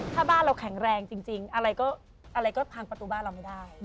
ถ้าบ้านเราแข็งแรงจริงอะไรก็อะไรก็พังประตูบ้านเราไม่ได้